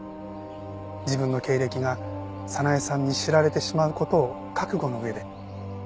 自分の経歴が早苗さんに知られてしまう事を覚悟の上で。